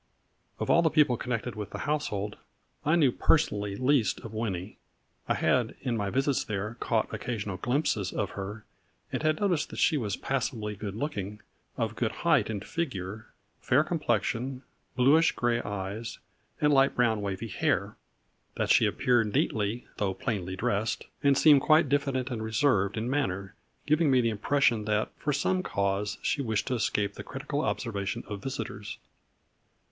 Of all the people connected with the house hold I knew personally least of Winnie. I had, in my visits there, caught occasional glimpses of her and had noticed that she was passably good looking, of good height and figure, fair complexion, bluish gray eyes and light brown wavy hair; that she appeared neatly, though plainly dressed, and seemed quite diffident and reserved in manner, giving me the impression that, for some cause, she wished to escape the critical observation of visitors.